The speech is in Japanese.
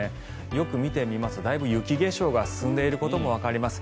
よく見てみますとだいぶ雪化粧が進んでいることもわかります。